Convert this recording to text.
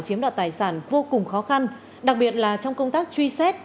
chiếm đoạt tài sản vô cùng khó khăn đặc biệt là trong công tác truy xét